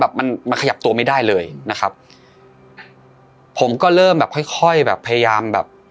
แบบมันมันขยับตัวไม่ได้เลยนะครับผมก็เริ่มแบบค่อยค่อยแบบพยายามแบบ